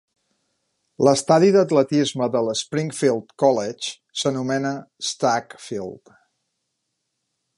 L'estadi d'atletisme del Springfield College s'anomena Stagg Field.